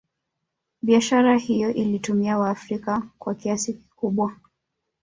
Biashara hiyo ilitumia waafrika kwa kiasi kikubwa